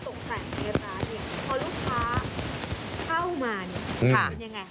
คือเอามาตกแต่งในระดับนี้